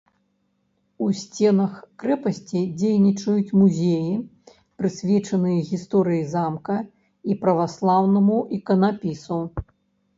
У сценах крэпасці дзейнічаюць музеі, прысвечаныя гісторыі замка і праваслаўнаму іканапісу.